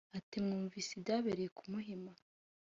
Ati “Mwumvise ibyabereye ku Muhima